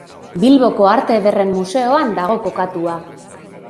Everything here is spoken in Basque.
Bilboko Arte Ederren Museoan dago kokatua.